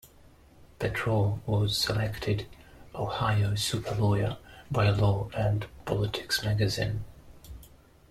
Petro was selected "Ohio Super Lawyer" by Law and Politics magazine.